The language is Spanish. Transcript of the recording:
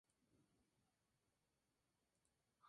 Se considera un periódico independiente en la zona de Hurlingham.